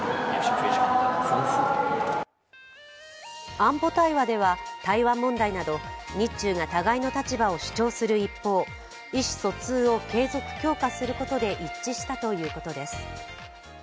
安保対話では、台湾問題など日中が互いの立場を主張する一方意思疎通を継続・強化することで一致したということです。